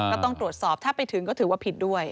ก็ต้องตรวจสอบถ้าไปถึงก็ถือว่าผิดด้วย